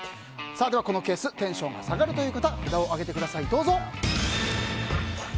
では、このケーステンションが下がるという方札を上げてください。